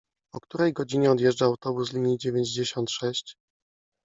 O której godzinie odjeżdża autobus linii dziewięćdziesiąt sześć?